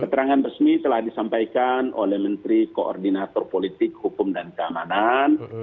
keterangan resmi telah disampaikan oleh menteri koordinator politik hukum dan keamanan